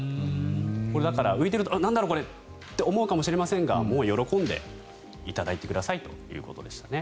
これ、浮いているとなんだこれと思うかもしれませんがもう喜んで、いただいてくださいということでしたね。